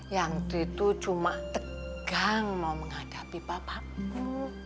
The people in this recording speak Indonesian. yanti itu cuma tegang mau menghadapi bapakmu